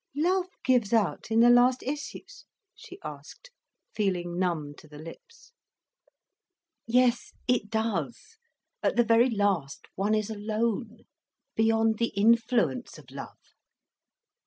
"Love gives out in the last issues?" she asked, feeling numb to the lips. "Yes, it does. At the very last, one is alone, beyond the influence of love.